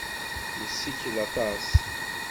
Yessikel aṭas.